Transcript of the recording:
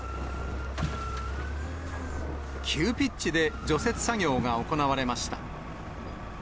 急ピッチで除雪作業が行われました。